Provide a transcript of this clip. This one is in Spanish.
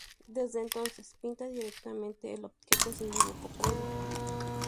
Desde entonces, pinta directamente el objeto, sin dibujo previo.